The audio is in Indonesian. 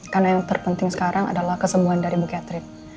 karena yang terpenting sekarang adalah kesembuhan dari bu catherine